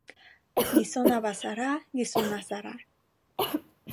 Gizona bazara, gizona zara.